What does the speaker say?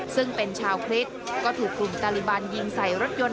ซึ่งเป็นชาวคริสต์ก็ถูกกลุ่มตาลิบันยิงใส่รถยนต์